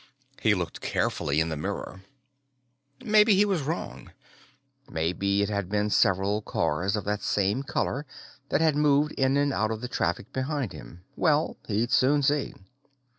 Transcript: He looked carefully in the mirror. Maybe he was wrong. Maybe it had been several cars of that same color that had moved in and out of the traffic behind him. Well, he'd soon see.